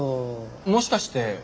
もしかして。